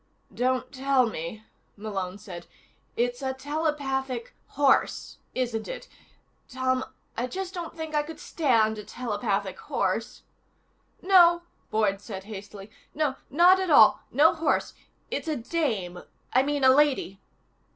"Don't tell me," Malone said. "It's a telepathic horse, isn't it? Tom, I just don't think I could stand a telepathic horse...." "No," Boyd said hastily. "No. Not at all. No horse. It's a dame. I mean a lady."